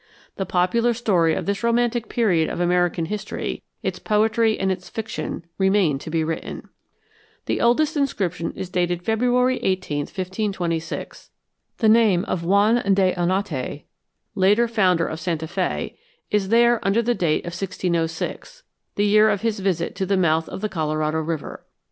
The popular story of this romantic period of American history, its poetry and its fiction remain to be written. The oldest inscription is dated February 18, 1526. The name of Juan de Oñate, later founder of Santa Fé, is there under date of 1606, the year of his visit to the mouth of the Colorado River.